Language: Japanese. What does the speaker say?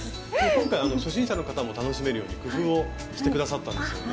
今回初心者の方も楽しめるように工夫をしてくださったんですよね。